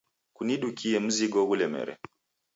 Kunidukie mzigo ghulemere.